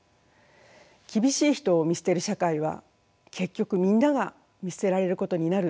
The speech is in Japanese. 厳しい人を見捨てる社会は結局みんなが見捨てられることになる社会です。